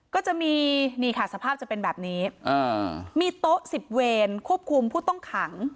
ก็จะมีนี่ค่ะสภาพจะเป็นแบบนี้มีโต๊ะสิบเวรควบคุมผู้ต้องขัง